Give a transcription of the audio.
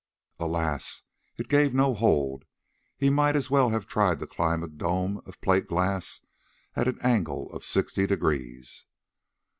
Alas! it gave no hold—he might as well have tried to climb a dome of plate glass at an angle of sixty degrees.